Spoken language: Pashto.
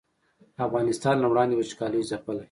افغانستان له وړاندې وچکالۍ ځپلی